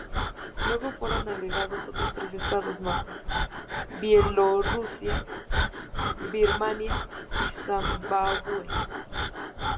Luego fueron agregados otros tres estados más: Bielorrusia, Birmania y Zimbabue.